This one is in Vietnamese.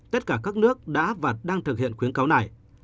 tất cả các nước đã và đang thực hiện khuyến cáo này